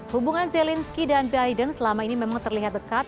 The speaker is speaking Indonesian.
hubungan zelensky dan biden selama ini memang terlihat dekat